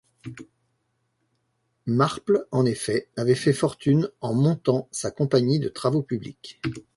Marples, en effet, avait fait fortune en montant sa compagnie de travaux publics.